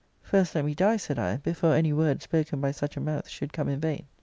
* First let me die,' said I, * before any word spoken by such a mouth should come in vain.'